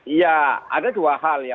iya ada dua hal ya